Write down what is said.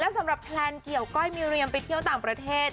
สำหรับแพลนเกี่ยวก้อยมิเรียมไปเที่ยวต่างประเทศ